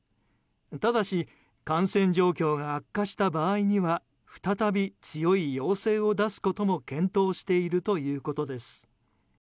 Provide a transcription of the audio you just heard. ただし感染状況が悪化した場合には再び強い要請を出すことも検討しているということです。